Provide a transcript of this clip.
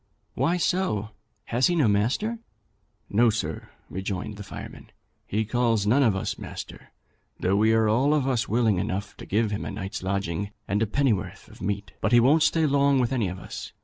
'Why so? Has he no master?' 'No, sir,' rejoined the fireman; 'he calls none of us master, though we are all of us willing enough to give him a night's lodging and a pennyworth of meat. But he won't stay long with any of us.